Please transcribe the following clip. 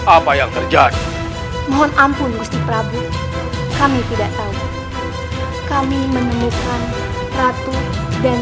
apa yang terjadi mohon ampun mesti prabu kami tidak tahu kami menemukan ratu dan